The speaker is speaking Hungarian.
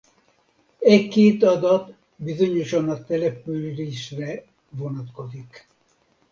E két adat bizonyosan a településre vonatkozik.